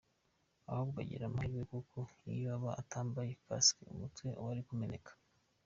Ahubwo agira amahirwe kuko iyo aba atambaye ‘casque’ umutwe wari kumeneka.